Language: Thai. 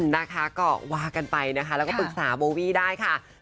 นะคะก็ว่ากันไปนะคะแล้วก็ปรึกษาโบวี่ได้ค่ะ